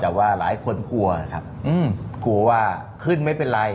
แต่ว่าหลายคนกลัวครับกลัวว่าขึ้นไม่เป็นไร